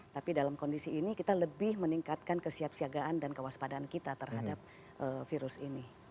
tapi dalam kondisi ini kita lebih meningkatkan kesiapsiagaan dan kewaspadaan kita terhadap virus ini